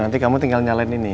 nanti kamu tinggal nyalain ini